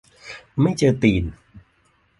ไม่เจอตีน